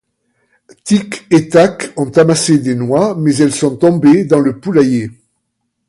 Tic et Tac ont amassé des noix, mais elles sont tombées dans le poulailler.